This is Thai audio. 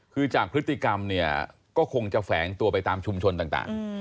คือจากพฤติกรรมเนี่ยก็คงจะแฝงตัวไปตามชุมชนต่าง